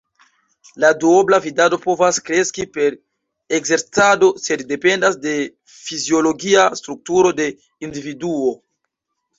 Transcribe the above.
La duobla vidado povas kreski per ekzercado, sed dependas de fiziologia strukturo de individuo.